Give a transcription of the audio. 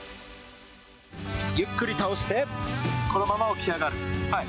ゆっくり倒して、このまま起き上がる。